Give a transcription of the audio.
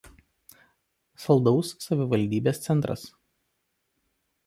Saldaus savivaldybės centras.